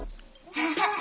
ハハハッ。